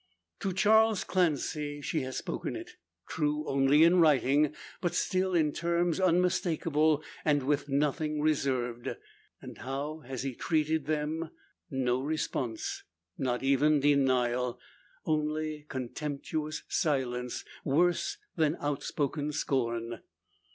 To Charles Clancy she has spoken it. True, only in writing; but still in terms unmistakeable, and with nothing reserved. And how has he treated them? No response not even denial! Only contemptuous silence, worse than outspoken scorn!